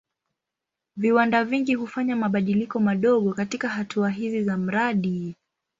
Viwanda vingi hufanya mabadiliko madogo katika hatua hizi za mradi.